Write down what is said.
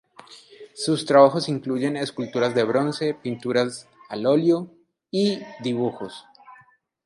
Sus trabajos incluyen esculturas de bronce, pinturas al óleo y dibujos.